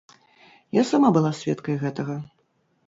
Я сама была сведкай гэтага.